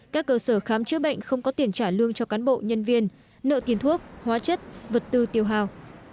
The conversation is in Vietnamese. các cơ sở khám chữa bệnh không có tiền trả lương cho cán bộ nhân viên nợ tiền thuốc hóa chất vật tư tiêu hào